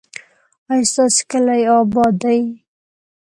ایا ستاسو کلی اباد دی؟